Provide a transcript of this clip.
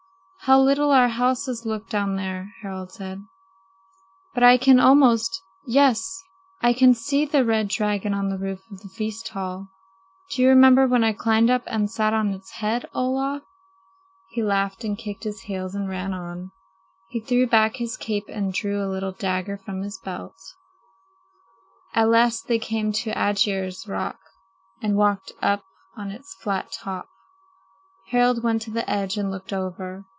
"How little our houses look down there!" Harald said. "But I can almost yes, I can see the red dragon on the roof of the feast hall. Do you remember when I climbed up and sat on his head, Olaf?" He laughed and kicked his heels and ran on. [Illustration: "He threw back his cape and drew a little dagger from his belt"] At last they came to Aegir's Rock and walked up on its flat top. Harald went to the edge and looked over.